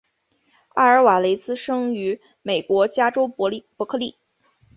阿尔瓦雷茨生于美国加州伯克利。